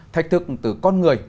thách thức từ con người